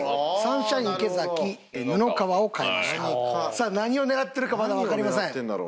さあ何を狙ってるかまだわかりません。